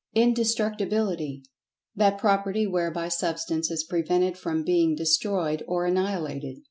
Indestructibility: That property whereby Substance is prevented from being destroyed or annihilated.